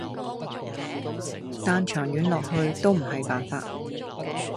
但長遠落去都唔係辦法